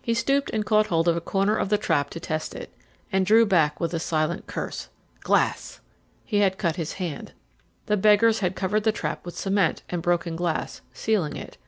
He stooped and caught hold of a corner of the trap to test it and drew back with a silent curse. Glass! He had cut his hand. The beggars had covered the trap with cement and broken glass, sealing it.